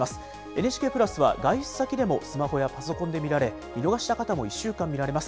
ＮＨＫプラスは、外出先でもスマホやパソコンで見られ、見逃した方も１週間見られます。